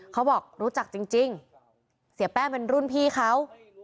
เขาบอกรู้จักจริงเสียแป้งเป็นรุ่นพี่เขา